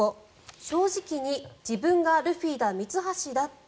正直に自分がルフィだミツハシだって。